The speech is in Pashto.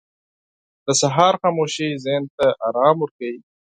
• د سهار خاموشي ذهن ته آرام ورکوي.